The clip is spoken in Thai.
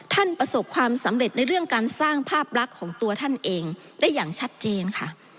ประสบความสำเร็จในเรื่องการสร้างภาพลักษณ์ของตัวท่านเองได้อย่างชัดเจนค่ะ